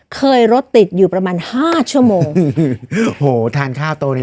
เคยรถติดอยู่ประมาณห้าชั่วโมงโอ้โหทานข้าวโต๊ะนี้